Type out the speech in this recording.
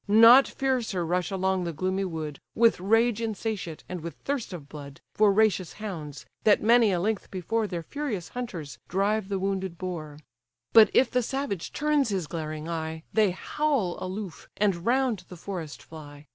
Not fiercer rush along the gloomy wood, With rage insatiate, and with thirst of blood, Voracious hounds, that many a length before Their furious hunters, drive the wounded boar; But if the savage turns his glaring eye, They howl aloof, and round the forest fly.